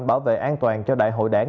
bảo vệ an toàn cho đại hội đảng